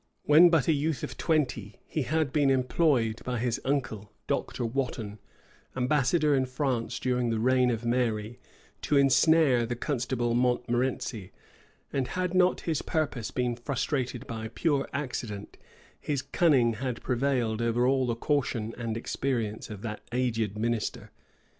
When but a youth of twenty, he had been employed by his uncle, Dr. Wotton, ambassador in France during the reign of Mary, to insnare the constable Montmorency; and had not his purpose been frustrated by pure accident, his cunning had prevailed over all the caution and experience of that aged minister.